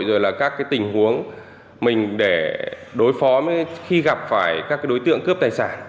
rồi là các tình huống mình để đối phó với khi gặp phải các đối tượng cướp tài sản